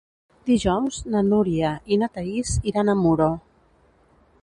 Dijous na Núria i na Thaís iran a Muro.